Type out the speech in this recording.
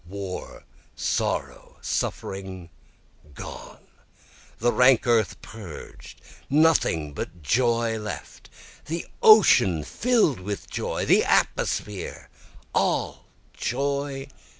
War, sorrow, suffering gone the rank earth purged nothing but joy left! The ocean fill'd with joy the atmosphere all joy!